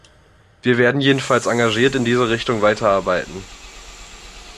Wir werden jedenfalls engagiert in diese Richtung weiterarbeiten.